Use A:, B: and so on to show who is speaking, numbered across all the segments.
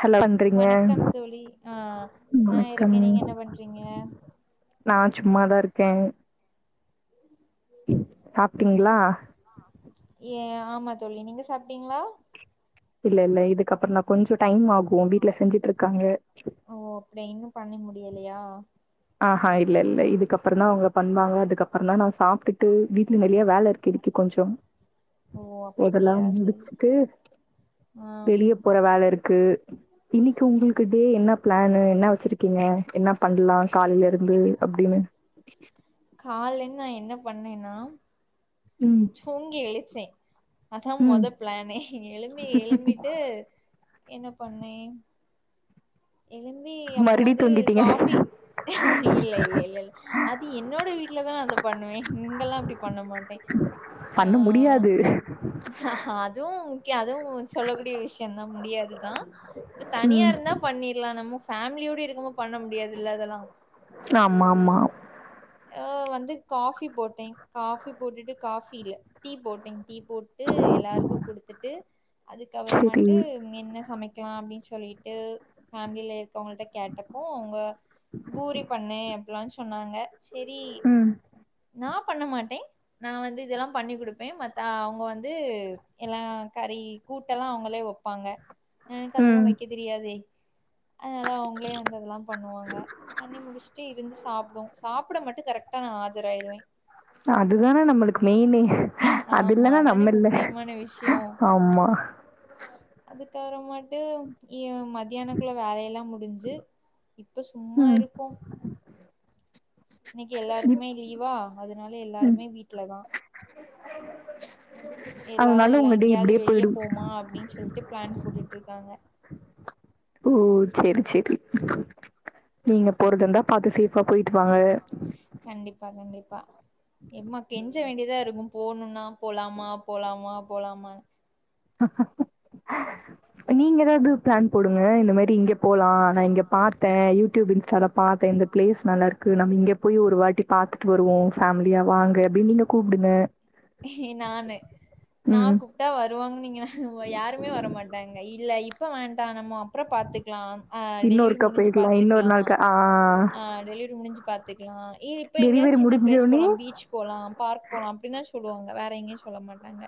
A: Hello பண்றீங்க
B: வணக்கம் தோழி ஆஹ் நா
A: வணக்கம்
B: இருக்க நீங்க என்ன பண்றீங்க
A: நா சும்மாதா இருக்க சாப் டிங்களா
B: ஏ ஆமா தோழி நீங்க சாப்ட்டீங்களா
A: இல்ல இல்ல இதுக்கப்பறந்தா கொஞ்சோ டைம் ஆகு வீட்ல செஞ்சுட்டு இருக்காங்க
B: ஓ அப்படியா இன்னு பண்ணி முடியலையா
A: ஆஹ இல்ல இல்ல இதுக்கப்பறந்தா அவங்க பண்ணுவாங்க அதுக்கப்பறந்தா நா சாப்ட்டுட்டு வீட்ல நெறைய வேலை இருக்கு இன்னைக்கி கொஞ்சம்
B: ஓ
A: அதல்லா
B: அப்டியா செரி
A: முடிச்சுட்டு
B: ஆம்
A: வெளிய போற வேல இருக்கு இன்னைக்கு உங்களுக்கு டுடே என்ன பிளானு என்ன வச்சிருக்கீங்க என்ன பண்ணலா கால்ல இருந்து அப்படின்னு
B: கால்லேந்து நா என்ன பண்ணேன்னா
A: ம்
B: தூங்கி எழுச்சே அதா
A: ம்
B: மொத பிளானே எழும்பி எழும்பிட்டு என்ன பண்ணே எழும்பி அப்போ
A: மறுபடியு
B: வந்து
A: தூங்கிட்டீங்க
B: காஃபி இல்ல இல்ல இல்ல இல்ல அது என்னோட வீட்லதா அத பண்ணுவே இங்கல்லா அப்டி பண்ண மாட்டே
A: பண்ண முடியாது
B: அதுவு கே அதுவு சொல்லக்கூடிய விஷயம்தா முடியாதுதா இப்ப தனியா
A: ம்
B: இருந்தா இருக்லா நம்ம ஃபேமிலியோட இருக்கமோ பண்ண முடியாதுல்ல அதெல்லா
A: ஆமா ஆமா
B: அ வந்து காஃபி போட்டே காபி போட்டுட்டு காஃபி இல்ல டீ போட்டே டீ போட்டு எல்லாருக்கு குடுத்துட்டு
A: செரி
B: அதுக்கப்புறமட்டு என்ன சமைக்கலா அப்டின்னு சொல்லிட்டு ஃபேமிலியில இருக்கவங்கள்ட்ட கேட்டப்போ அவங்க பூரி பண்ணு அப்டில்லா சொன்னாங்க சேரி
A: ம்
B: நா பண்ண மாட்டே நா வந்து இதெல்லா பண்ணி குடுப்பே மத் அவங்க வந்து எல்லா கறி கூட்டு எல்லா அவங்களே வைப்பாங்க எனக்கு
A: ம்
B: அதெல்லா வைக்க தெரியாதே அதனால அவங்களே வந்து அதெல்லா பண்ணுவாங்க பண்ணி முடிச்சுட்டு இருந்துச் சாப்புடுவோ சாப்ட மட்டு கரெக்டா நா ஆஜராயிருவே
A: அதுதானே நம்மளுக்கு மெயினே அது
B: ஆமா
A: இல்லன்னா
B: அதானே
A: நம்ம இல்ல.
B: முக்கியமான விஷயோ
A: ஆமா.
B: அது உக்காரமாட்டு ஏ மதியானக்குள்ள வேலை எல்லா முடிஞ்சு இப்ப சும்மா
A: ம்.
B: இருக்கோ இன்னைக்கு எல்லாருக்குமே லீவா அதனால எல்லாருமே வீட்லதா எல்லாரு
A: அதனால
B: எல்லா
A: உங்க டே
B: எங்கேயாவது
A: இப்படியே
B: வெளியே
A: போயிடும்.
B: போமா அப்டின்னு சொல்லிட்டு பிளான் போட்டுட்டு இருக்காங்க
A: ஓ சேரி சேரி நீங்க போறதாந்தா பாத்து ஃசேபா போயிட்டு வாங்க
B: ப்ப எம்மா கெஞ்ச வேண்டியதா இருக்கு போணுனா போலாமா போலாமா போலாமா
A: நீங்க எதாவது பிளான் போடுங்க இந்த மாரி இங்க போலா நா இங்க பாத்தே யூடியூப் இன்ஸ்டால பாத்தே இந்த பிளேஸ் நல்லா இருக்கு நம்ம இங்க போய் ஒரு வாட்டி பாத்துட்டு வருவோம் ஃபேமிலியா வாங்க அப்டின்னு நீங்க கூப்டுங்க
B: நானு நா
A: ம்.
B: கூப்ட்டா வருவாங்கனு நீங்க யாருமே வரமாட்டாங்க இல்ல இப்ப வேண்ட நம்ம அப்பறோ பாத்துக்கலா அ டெலிவரி
A: இன்னொருக்கா
B: முடிஞ்சு
A: போயிக்கலாம். இன்னொரு
B: பாத்துக்லா
A: நாள்க்கா ஆ.
B: ஆ டெலிவரி முடிஞ்சு பாத்துக்கலா இ இப்ப எங்கேயா
A: டெலிவரி
B: சின்ன பிளேஸ்
A: முடிஞ்சோனே
B: போலா பீச் போலா பார்க் போலா அப்டின்னுதா சொல்லுவாங்க வேற எங்கயு சொல்ல மாட்டாங்க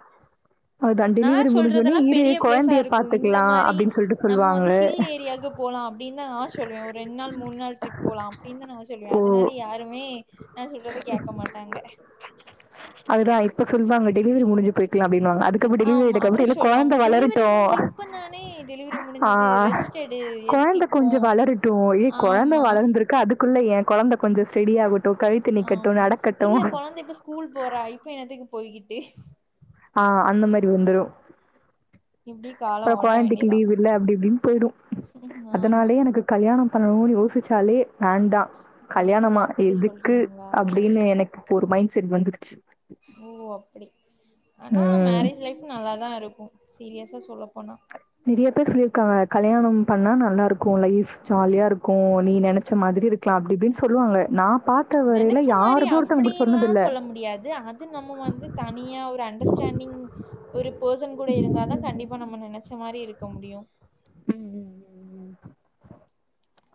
A: அதுதா டெலிவரி
B: நான்
A: முடிஞ்சோனே
B: சொல்றதெல்லாம்
A: இரு
B: பெரிய பிளேஸா
A: கொழந்தய
B: இருக்கும். இந்த
A: பாத்துக்லா
B: மாரி
A: அப்டின்னு சொல்லிட்டு
B: நம்ம
A: சொல்லுவாங்க
B: வந்து ஹில் ஏரியாவுக்கு போலாம் அப்பிடின்னு தான் நான் சொல்வேன் ஒரு ரெண்டு நாள் மூணு நாள் டிரிப் போலாம் அப்பிடின்னு தான் நான் சொல்லுவேன் அதனால
A: ஓ!
B: யாருமே நான் சொல்றத கேக்க மாட்டாங்க
A: அதுதான் இப்ப சொல்வாங்க டெலிவரி முடிஞ்சு போயிக்கலாம் அப்டினுவாங்க அதுக்கப்ப டெலிவரி
B: ஆமா.
A: டேக்கு அப்டி
B: அப்புறம்
A: இல்ல
B: சொல்லுவாங்க,
A: கொழந்த
B: "டெலிவரி
A: வளரட்டு
B: முடிஞ்சு இப்ப தானே டெலிவரி
A: ஆ
B: முடிஞ்சது. ரெஸ்ட் எடு. எதுக்கு
A: கொழந்த
B: இப்போ?"
A: கொஞ்ச வளரட்டு ஏய் கொழந்த
B: ஆமா,
A: வளந்திருக்கு அதுக்குள்ள ஏ கொழந்த கொஞ்ச ஸ்டெடி ஆகட்டு கழுத்து நிக்கட்டு
B: ஆமா.
A: நடக்கட்டு
B: இல்ல குழந்தை இப்ப ஸ்கூல் போறா இப்ப என்னத்துக்கு போய்கிட்டு
A: ஆ அந்த மாரி வந்துரு
B: இப்படி
A: அப்ற
B: காலம் ஓட்ட
A: கொழந்தைக்கு
B: வேண்டியதான்.
A: லீவ் இல்ல அப்டி இப்டின் போய்டு
B: ஆமா.
A: அதனாலாயே எனக்கு கல்யாணம் பண்ணனு யோசிச்சாலே வேண்டா
B: ஓ!
A: கல்யாணமா
B: அப்படி
A: எதுக்கு
B: சொல்றீங்களா?
A: அப்டினு எனக் ஒரு மைண் செட் வந்துருச்சி
B: ஓ! அப்படி. ஆனா
A: ம்
B: மேரேஜ் லைஃபு நல்லாதா இருக்கு சீரியஸா சொல்ல போனா
A: நெறய பேர் சொல்லிர் க கல்யாணம் பண்ணா நல்லா இருக்கு லைஃப் ஜாலியா இருக்கு நீ நெனச்ச மாதிரி இருக்லா அப்டி இப்டின் சொல்லு லு வாங்க நா
B: நெனச்ச மாரி அப்டியெல்லா சொல்ல முடியாது அது நம்ம வந்து தனியா ஒரு அண்டர் ஸ்டாண் நீங் ஒரு பொசன் கூட இருந்த தா கண்டிப்பா நம்ம நெனச்ச மாரி இருக்க முடியு
A: ம் ம் ம் ம்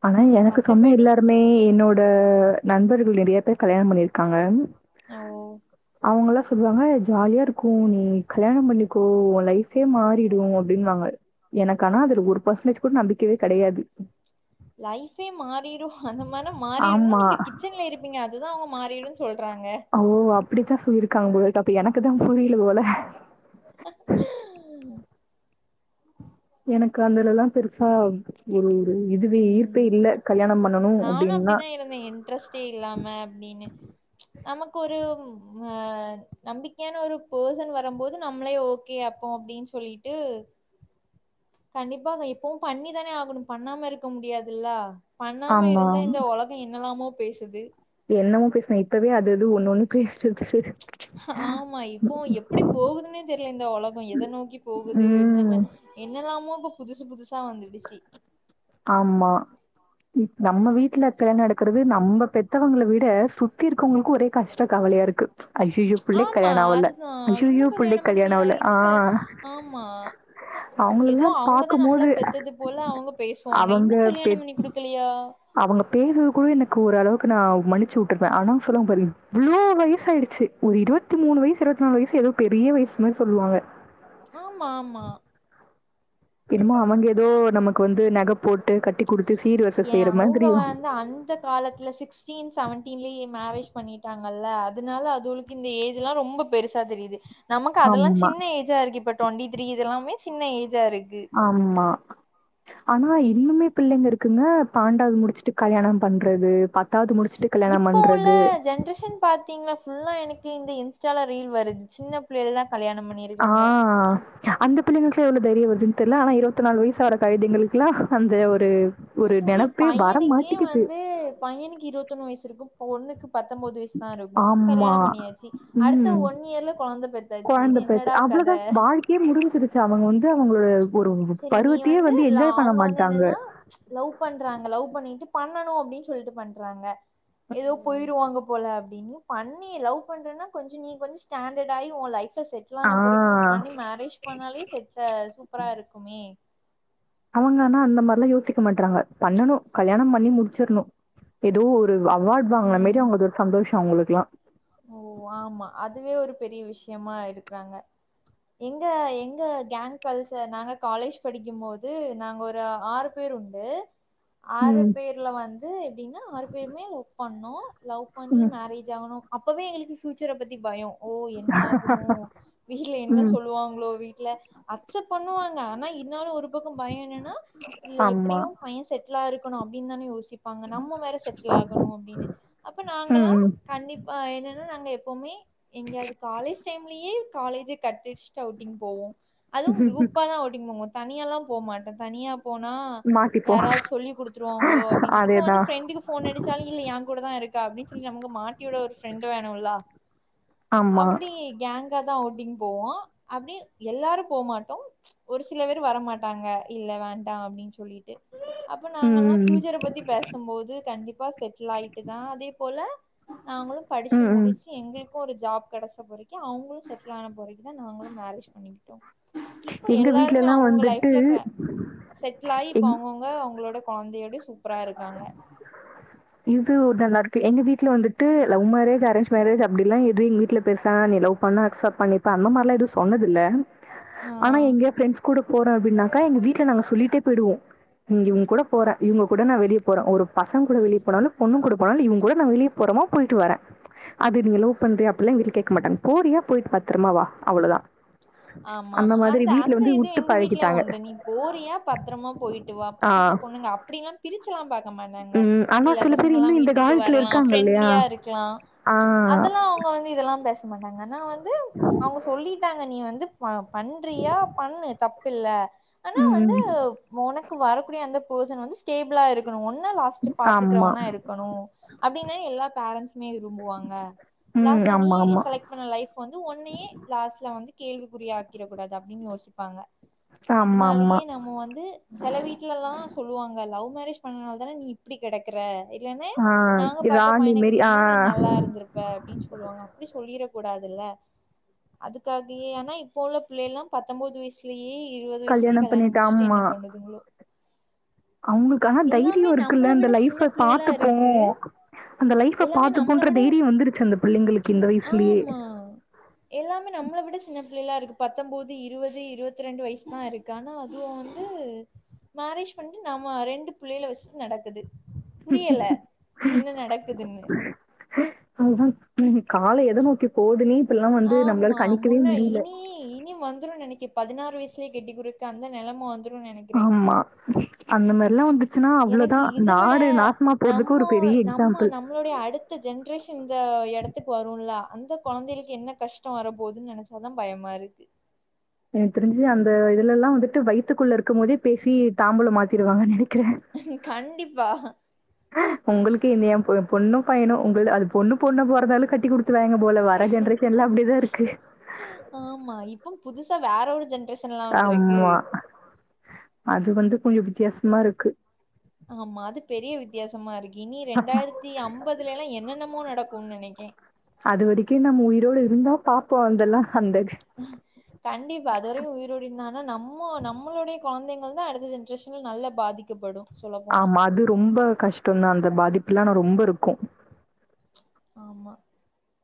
A: ஆனா எனக்கு சொன்ன
B: மத்தபடி
A: எல்லாருமே என்னோட நண்பர்கள் நெறய பேர் கல்யாணம் பண்ணிர்க்காங்க
B: அ ஓ
A: அவுங்கலா சொல்லுவாங்க ஜாலியா இருக்கு நீ கல்யாண பண்ணிக்கோ உ லைஃபே மாறிடு அப்டின்வாங்க எனக்கானா அதுல ஒரு பர்சன்டேஜ் கூட நம்பிக்கவே கெடயாது
B: லைஃபே மாறிரு அந்த மார்னா மாறிருன்னு
A: ஆமா.
B: நீங்க கிச்சன்ல இருப்பீங்க அதுதா அவுங்க மாறிடுன்
A: அ ஓ அப்டித்தா சொல்லிருக்காங்க போல் இப்ப அப்ப எனக்குதா புரியில போல
B: ம்
A: எனக்கு அந்தலெல்லா பெருசா ஒரு இது இதுவே ஈர்ப்பே
B: ம்
A: இல்ல கல்யாணம் பண்ணணும்
B: நானு
A: அப்டின்னா.
B: அப்டிதா இருந்தே இன்ட்ரெஸ்ட்டே இல்லாம அப்டினு நமக்கு ஒரு அ நம்பிக்யான ஒரு போசன் வரம்போது நம்மளே ஓகே அப்போ அப்டின் சொல்லிட்டு கண்டிப்பா வ இப்பவு பண்ணிதானே ஆகனு பண்ணாம இருக்க முடியாதில்ல பண்ணாம
A: ஆமா.
B: இருந்தா இந்த உலகோ என்னலாமோ பேசுது
A: என்னமோ பேஸ்னா இப்பவே அது இது ஒன்னொன்னு பேஸ்ட்ருக்கு செரி
B: ஆமா இப்போ எப்டி போகுதுன்னே தெர்ல இந்த உலகோ எத நோக்கி போகுது
A: ம்.
B: என்னன்ன என்னலாமோ இப்ப புதுசு புதுசா வந்துடுச்சி
A: ஆமா ம் நம்ம வீட்ல கல்யாண நடக்கறது நம்ப பெத்தவங்கள விட சுத்தி இருக்குவங்களுக்கு ஒரே கஷ்ட கவலையா இருக்கு ஐய்யய்யோ! புள்ளைக்கு
B: ஆமா
A: கல்யாணம் ஆவல.
B: அதுதா இன்னு
A: ஐய்யய்யோ!
B: கல்யாண
A: புள்ளைக்கு கல்யாணம்
B: பண்லயா
A: ஆவல. ஆ
B: இன்னு கல்யாண ஆமா ஏதோ
A: அவங்களலாம்
B: அவுங்கதா நம்மள
A: பார்க்கும்போது
B: பெத்தது போல அவுங்க பேஸ்வாங்க இன்னு கல்யாண பண்ணி குடுக்கலயா
A: அவுங்க பேசுறது கூட எனக்கு ஓரள வுக்கு நா மன்னிச்சி வுட்டுருவே ஆனா சொல்லுவாங்க பாரு இவ்ளோ வயசு ஆயிடுச்சி ஒரு இருவத்தி மூணு வயஸ் இருவத்தி நாலு வயஸ் ஏதோ பெரிய வயஸ் மாரி சொல்லுவாங்க
B: ஆமா ஆமா
A: என்னமோ அவுங்க ஏதோ நமக்கு வந்து நக போட் குடுத்து சீரு
B: எ அவுங்க வந்து அந்த காலத்துல சிக்ஸ்டீன் செவன்டீன்லேயே மேரேஜ் பண்ணிட்டாங் கல்ல அதனால அதுகுளுக்கு இந்த ஏஜ் எல்லா ரொம்ப பெருசா தெரியுது நமக்கு அதெல்லா
A: ஆமா,
B: சின்ன ஏஜா இருக்கு இப்ப டுவெண்டி த்ரீ இதெல்லாமே சின்ன ஏஜ்
A: ஆமா ஆனா இன்னுமே பிள்ளைங்க இருக்குங்க பாண்டாவது முடிச்சிட்டு கல்யாண பண்றது பத்
B: இப்ப உள்ள ஜென்ரேஷன் பாத்தீங்ளா ஃபுல்லா எனக்கு இந்த இன்ஸ்டால ரீல் வருது சின்ன பிள்ளைல எல்லா
A: ஆ அந்த பிள்ளைங்க எப்டி இவ்ளோ தைரிய வருதுன் தெர்ல ஆனா இருவத்தி நாலு வயசாகுற கழுதைங்களுக்குலா அந்த ஒரு ஒரு
B: ஏ
A: நெனப்பே வர
B: பையனுக்கே
A: மாட்டேங்குது.
B: வந்து பையனுக்கு இருவத்தொண்ணு வயசு இருக்கு பொண்ணுக்கு பத்தொம்பது வயசு தா இருக்கு
A: ஆமா.
B: கல்யாணம் பண்ணியாச்சு அடுத்த
A: ம்.
B: ஒன் இயர்ல கொழந்தை பெத்தாச்சு இது என்னடா
A: அவ்வளவுதா
B: கத
A: வாழ்க்கையே முடிஞச்சிருச்சு அவங்க வந்து அவங்களோட ஒரு
B: சரி நீ
A: பருவத்தையே
B: வந்து ல
A: என்ஜாய் பண்ண
B: அவங்க வந்து
A: மாட்டாங்க.
B: என்னன்னா லவ் பண்றாங்க லவ் பண்ணிட்டு பண பண்ணனு அப்படீன்னு சொல்லிட்டு பண்றாங்க ஏதோ
A: ம்.
B: போயிருவாங்க போல அப்படின்னு பண்ணி லவ் பண்றேன்னா கொஞ்ச நீ கொஞ்ச ஸ்டாண்டர்ட் ஆயி ஓ லைஃப் செட்டிலான
A: ஆ
B: பொறிக்கி நீ பண்ணி மேரேஜ் பண்ணாலே செட்ல அ சூப்பரா இருக்குமே
A: அவங்கனா அந்த மாதிரில்லா யோசிக்க மாட்றாங்க பண்ணணு கல்யாணம் பண்ணி முடிச்சிறணு ஏதோ ஒரு அவார்டு வாங்கின மாரி
B: ம்
A: அவங்களுக்கு ஒரு சந்தோஷ அவங்களுக்குல்லா
B: ஓ ஆமா அதுவே ஒரு பெரிய விஷயமா இருக்கிறாங்க எங்க எங்க கேங் கல்சர் நாங்க காலேஜ் படிக்கும் போது நாங்க ஒரு ஆறு பேர் குண்டு ஆறு
A: ம்,
B: பேர்ல வந்து எப்டின்னா ஆறு பே ஒர்க் பண்னோ லவ் பண்ணி
A: ம்,
B: மேரேஜ் ஆகணு அப்பவே எங்களுக்கு பியூச்சரை பத்தி பயோ ஓ என்ன ஆகுமோ வீட்ல என்ன
A: ம்.
B: சொல்லுவாங்களோ வீட்ல அக்சப் பண்ணுவாங்க ஆனா இருந்தாலு ஒரு பக்க பயோ என்னன்னா இல்ல
A: ஆமா.
B: எப்படியு பய செட்டிலாருக் கணு அப்படின்னுதானே யோசிப்பாங்க நம்ம வேற செட் டிலாகணு அப்படின்னு அப்ப
A: ம்,
B: நாங்களா
A: ம்.
B: கண்டிப்பா என்னன்னா நாங்க எப்பவுமே எங்க அது காலேஜ் டைம்லயே காலேஜ் கட்டடிச்சு அவுட்டிங் போவோ அதுவு குரூப்பா தா அவுட்டிங் போவோ தனியால்லா போமாட்ட தனியா போனா
A: மாட்டிப்போம்.
B: யாராவது சொல்லி குடுத்துருவாங்களோ அப்படின்னு இப்ப வந்து
A: அதேதான்.
B: ப்ரெண்டுக்கு போன் அடிச்சாலு இல்ல ஏ கூடதா இருக்கா அப்பின்னு சொல்லி நமக்கு மாட்டிவிட ஒரு ப்ரெண்ட் வேணும்ல
A: ஆமா.
B: அப்படி கேங் காதா அவுட்டிங் போவோ அப்டியே எல்லாரு போமாட்டோ ஒரு சில பேர் வரமாட்டாங்க இல்ல வேண்டா அப்படின்னு சொல்லிட்டு அப்ப நாங்கல்லா
A: ம்,
B: பியூச்சர பத்தி பேசும்போது கண்டிப் செட்டில் ஆயிட்டு தா அதே போல நாங்களு படிச்சு
A: ம், ம்.
B: முடிச்சு எங்களுக் ஒரு ஜாப் கெடைச்ச பொறைக்கு அவங்களு செட்டில் ஆன பொறைக்குதா நாங்களு மேரேஜ் பண்ணிக்கிட்டோ இப்ப
A: எங்க
B: எல்லாருமே
A: வீட்லலாம்
B: அவங்கவுங்க
A: வந்துட்டு
B: லைஃப்ல அ செட்டில் ஆகி இப்ப
A: எங்
B: அவங்கவுங்க அவங்களோட கொழந்தையோட சூப்பரா இருக்காங்க
A: இது ஒரு நல்லாருக்கு எங்க வீட்ல வந்துட்டு லவ் மேரேஜ் அரேஞ் மேரேஜ் அப்படில்லா எது எங்க வீட்ல பெருசா லவ் பண்ண அக்சப் பண்ணிப்ப அந்தமாரிலா எது சொன்னதுல்ல
B: ஆ
A: ஆனா எங்கயாது ப்ரண்ட்ஸ் கூட போறோ அப்படின்னாக்கா எங்கவீட்ல நாங்க சொல்லிட்டே போயிடுவோ இங்க இவங்க கூட போறே இவங்க கூட நா வெளிய போறே ஒரு பசங்க கூட வெளியே போனாலு பொண்ணுங்கூட போனாலு இவங்க கூட நா வெளிய போறமா போயிட்டு வரே அது நீங்க லவ் பண்றியா அப்டில்லா எங்கிட்ட கேட்க மாட்டாங்க போறியா போயிட்டு பாத்துருமா வா அவ்ளோதா
B: ஆமா ஆமா அந்த அந்த இது எங்க வீட்டு்லயே
A: பழகிட்டாங்க.
B: உண்டு நீ போறியா பத்திரமா போயிட்டு வா
A: ஆ.
B: பசங்க பொண்ணுங்க அப்டின்ல்லா பிரிச்சல்லா பாக் கமாட்டாங்க
A: ம். ஆனா
B: இல்ல
A: சில பேர்
B: பசங்கல்லா
A: இன்னும் இந்த
B: வீட்டுக்கு
A: காலத்துல
B: வரலா
A: இருக்காங்க இல்லையா?
B: பிரண்ட்லியா இருக்கலா
A: ஆ.
B: அதெல்லா அவங் வந்து இதெல்லா பேச மாட்டாங்க ஆனா வந்து அவங்க சொல்லிட்டாங்க நீ வந்து அ பண்றியா பண்ணு தப்பில்ல ஆனா வந்து
A: ம்.
B: ஒனக் கு வரக்கூடிய அந்த பர்சன் வந்து ஸ்டேபிளா இருக்கணு ஒன்னா லாஸ்ட்டு
A: ஆமா.
B: பாத்துக்கிறவனா இருக்கணு அப்டின்னா எல்லா பேரண்சு மே விரும்புவாங்க
A: ம்.
B: லாஸ்ட்ல நீ
A: ஆமாமா.
B: செலக் பண்ண லைப் வந்து ஒன்னேயே லாஸ்ல வந்து கேள்வி ஆக்கிடக்க கூடாது அப்டின்னு யோசிப்பாங்க
A: ஆமா ஆமா
B: அதனாலேயே நம்ம வந்து செல வீட்டலல்லா சொல்லுவாங்க லவ் மேரேஜ் பண்ணனால தானே நீ இப்டி கெடக்குற இல்லன்ன
A: ஆ
B: நாங்க பாத்த
A: ராணி
B: பையனை
A: மேரி ஆ
B: கெட்டியிருந்தா நீ நல்லா இருந்திருப்ப அப்டின்னு சொல்லுவாங்க அப்டி சொல்லிரக் கூடாதுல்ல அதுக்காகயே ஆனா இப்போ உள்ள பிள்ளைல்லா பத்தொன்பது வயசுலயே இருவது வயசுலயே கல்யாணம் முடிச்சிட்டு என்ன பண்ணுதுங்களோ
A: அவங்களுக்கனா தைரியோ
B: எல்லாமே நம்மள
A: இருக்குல்ல அந்த
B: விட சின்ன
A: லைஃப்ப
B: பிள்ளையலா
A: பாத்துப்போ
B: இருக்கு
A: அந்த லைஃப்ப
B: எல்லாமே
A: பாத்து
B: நம்மள
A: போன்ற
B: விட
A: தைரியோ வந்துருச்சு அந்த பிள்ளைங்களுக்கு இந்த வயசுலயே
B: ஆமா எல்லாமே நம்மள விட சின்ன பிள்ளைலா இருக்கு பத்தம்போது இருவது இருவத்ரெண்டு வய்சு தாருக்கு ஆனா அதுவு வந்து மேரேஜ் பண்ட்டு நாம ரெண்டு பிள்ளைல வச்சுட்டு நடக்குது புரியல என்ன நடக்குதுன்னு
A: [inaudible] காலோ எத நோக்கி போதுனே இப்பல்லா வந்து நம்ளால
B: ஆமா.
A: கணிக்கவே முடில
B: பதினாறு வய்சுலே கெட்டி குடுக் அந்த நெலம வந்து
A: ஆம்மா அந்த மெரில்லா வந்து
B: எனக்கு இத விட
A: போறதுக்கு ஒரு
B: நம்மோ
A: பெரிய
B: நம்ம
A: எக்ஸாம்பிள்
B: நம்ளோடைய அடுத்த ஜென்ரேஷன் இந்த ப்ப எடத்துக்கு வருல்லா அந்த கொழந்தைளுக்கு என்ன கஷ்டோ வரப்போதுன் நெனைச்சாதா பயமாருக்கு
A: எனக்கு தெரிஞ்சு அந்த இதுலலா வந்துட்டு வய்த்துக்குள்ள இருக்கும்போதே பேசி தாம்பூல மாத்திருவாங்கன் நெனைக்கிறே
B: கண்டிப்பா
A: உங்ளுக்கு என்ன ஏ பொ பொண்ணோ பையனோ உங்களு அது பொண்ணு பொண்ணு பொறந்தாலு கட்டி குடுக் துவாய்ங்க போல வர ஜென்ரேஷன்லா அப்டிதா இருக்கு
B: ஆமா இப்போ புதுசா வேற ஒரு ஜென்
A: ஆம்மா அது வந்து கொஞ்சோ வித்தியாசமாருக்கு
B: ஆமா அது பெரிய வித்யாசமாருக் இனி ரெண்டாயிரத்தி அம்பதுலலா என்னென்னமோ நடக்குன் நெனைக்கே
A: பாப்போ அந்தல்லா [unintelligible]
B: உஹ கண்டிப்பா அதுவரயு உயிரோட இந்தானா நம்மோ நம்மளுடைய கொழந்தைங்கள் தா அடுத்த ஜென்ரேஷன்ல நல்ல பாதிக்கப்படு
A: ஆமா அது ரொம்ப கஷ்டோந்தா அந்த பாதிப்புலா ஆனா ரொம்பருக்கு
B: ஆமா